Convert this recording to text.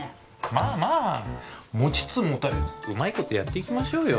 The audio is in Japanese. まあまあ持ちつ持たれつうまいことやっていきましょうよ